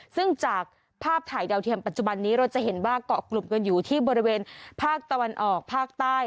ซึ่งจากภาพถ่ายดาวเทียมปัจจุบันนี้เราจะเห็นว่าเกาะกลุ่มกันอยู่ที่บริเวณภาคตะวันออกภาคใต้